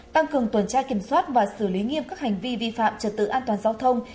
tăng cường tuần tra kiểm soát và xử lý nghiêm các hành vi vi phạm trật tự an toàn giao thông